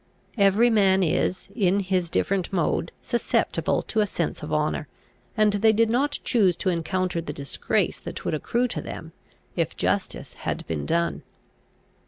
Every man is, in his different mode, susceptible to a sense of honour; and they did not choose to encounter the disgrace that would accrue to them, if justice had been done.